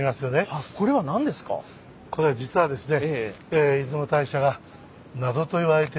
これは実はですね